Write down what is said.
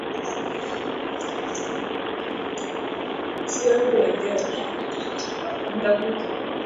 yakijaribu kupata udhibiti wa maeneo ambayo yaliwahi kuwa na amani huko Afrika magharibi